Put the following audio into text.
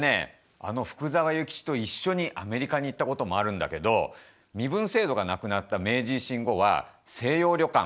あの福沢諭吉と一緒にアメリカに行ったこともあるんだけど身分制度がなくなった明治維新後は西洋旅館